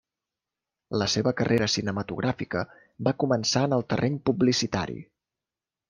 La seva carrera cinematogràfica va començar en el terreny publicitari.